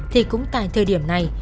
thì cũng tại thời điểm này